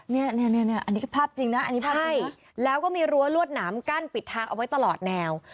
เนี่ยอันนี้ภาพจริงนะใช่แล้วก็มีรั้วลวดหนามกั้นปิดทักเอาไว้ตลอดแนว